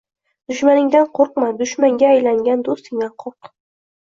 Dushmaningdan qo’rqma, dushmanga aylangan do’stingdan qo’rq.